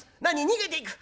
逃げていく？